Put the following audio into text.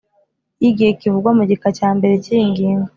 Y igihe kivugwa mu gika cya mbere cy iyi ngingo